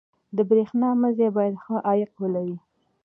• د برېښنا مزي باید ښه عایق ولري.